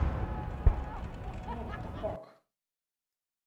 No, tampoc.